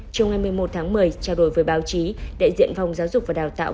trong ngày một mươi một tháng một mươi trao đổi với báo chí đại diện phòng giáo dục và đào tạo